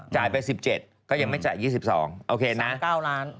จ่ายไป๑๗ก็ยังไม่จ่าย๒๒โอเคนะ๙ล้าน